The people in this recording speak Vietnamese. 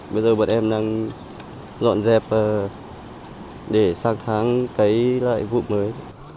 bây giờ bọn em đang dọn dẹp để sang tháng cái lại vụ mới